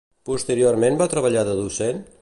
Posteriorment va treballar de docent?